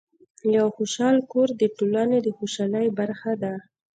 یو خوشحال کور د ټولنې د خوشحالۍ برخه ده.